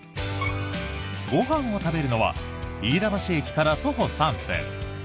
ご飯を食べるのは飯田橋駅から徒歩３分